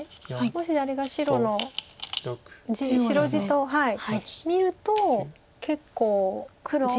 もしあれが白の白地と見ると結構地合いは。